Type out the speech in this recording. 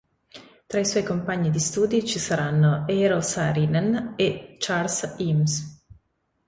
Tra i suoi compagni di studi ci saranno Eero Saarinen e Charles Eames.